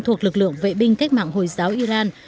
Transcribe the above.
thuộc lực lượng vệ binh cách mạng hồi giáo iran